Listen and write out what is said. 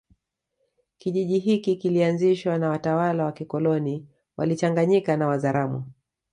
Kijiji hiki kilianzishwa na watalawa wa kikoloni walichanganyika na Wazaramo